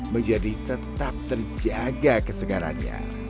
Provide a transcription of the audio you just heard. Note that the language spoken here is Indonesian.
menjadi tetap terjaga kesegarannya